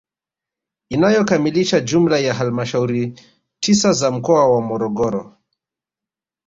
Inayokamilisha jumla ya halmashauri tisa za mkoa wa Morogoro